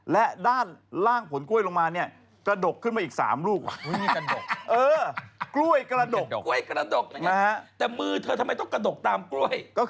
และด้านล่างผลกล้วยลงมาเนี่ยกระดกขึ้นมาอีก๓ลูก